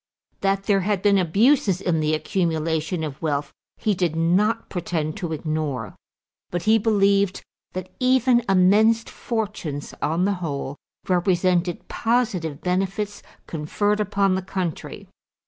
That there had been abuses in the accumulation of wealth he did not pretend to ignore, but he believed that even immense fortunes, on the whole, represented positive benefits conferred upon the country.